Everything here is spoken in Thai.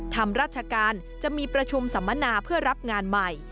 ทำราชการจะมีประชุมสัมมนาเพื่อรับงานใหม่